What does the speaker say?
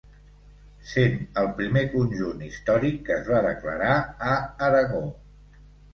Sent el primer conjunt històric que es va declarar a Aragó.